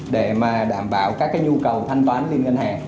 để đảm bảo các nhu cầu thanh toán liên ngân hàng